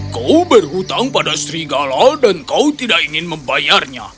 kau berhutang pada serigala dan kau tidak ingin membayarnya